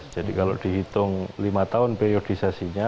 jadi kalau dihitung lima tahun periodisasinya